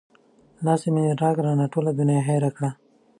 لاس د مينې راکړه رانه ټوله دنيا هېره کړه